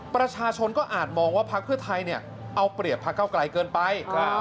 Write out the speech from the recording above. ประชาชนก็อาจมองว่าพักเพื่อไทยเอาเปรียบพักเก้าไกลเกินไป